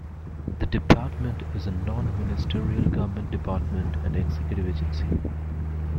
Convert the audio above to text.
The department is a non-ministerial government department and executive agency.